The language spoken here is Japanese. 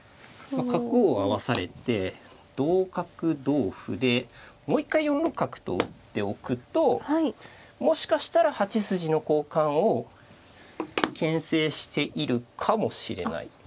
角を合わされて同角同歩でもう一回４六角と打っておくともしかしたら８筋の交換をけん制しているかもしれない。